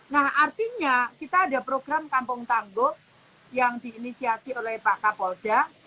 nah artinya kita ada program kampung tangguh yang diinisiasi oleh pak kapolda